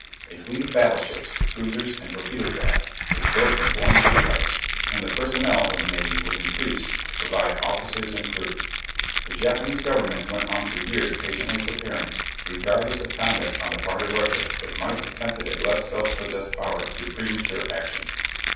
A fleet of battleships, cruisers, and torpedo craft was built in foreign shipyards, and the personnel of the navy was increased to provide officers and crews. The Japanese Government went on for years patiently preparing, regardless of conduct on the part of Russia that might have tempted a less self possessed Power to premature action.